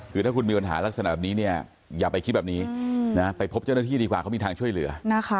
คือถ้าคุณมีปัญหาลักษณะแบบนี้เนี่ยอย่าไปคิดแบบนี้ไปพบเจ้าหน้าที่ดีกว่าเขามีทางช่วยเหลือ